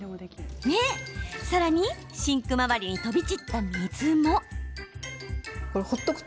さらに、シンク周りに飛び散った水も。